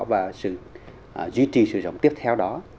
và sự duy trì sử dụng tiếp theo đó